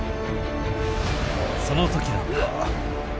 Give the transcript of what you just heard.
その時だった。